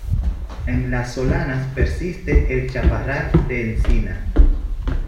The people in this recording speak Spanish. En las solanas persiste el chaparral de encina.